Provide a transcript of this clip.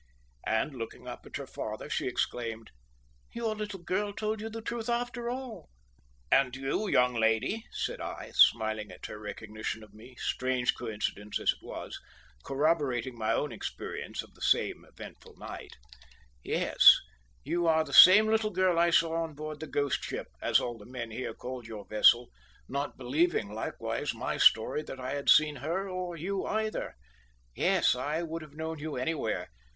And looking up at her father, she exclaimed, "Your little girl told the truth after all." "And you, young lady," said I, smiling at her recognition of me, strange coincidence as it was, corroborating my own experience of the same eventful night, "yes; you are the same little girl I saw on board the `ghost ship,' as all the men here called your vessel, not believing, likewise, my story that I had seen her or you either. Yes, I would have known you anywhere.